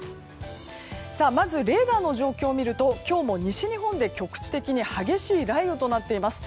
まず、レーダーの状況を見ると今日も西日本で局地的に激しい雷雨となっています。